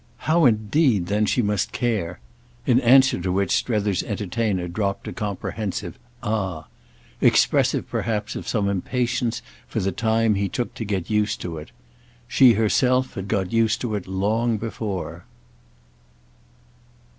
"How indeed then she must care!" In answer to which Strether's entertainer dropped a comprehensive "Ah!" expressive perhaps of some impatience for the time he took to get used to it. She herself had got used to it long before.